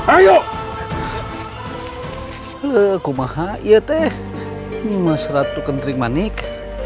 ayo leku maha iateh lima ratus kentri manik